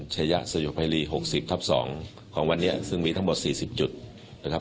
ชายะสยบภัยรี๖๐ทับ๒ของวันนี้ซึ่งมีทั้งหมด๔๐จุดนะครับ